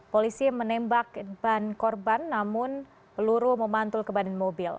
polisi menembak ban korban namun peluru memantul ke badan mobil